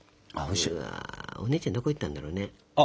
うわお姉ちゃんどこ行ったんだろうね？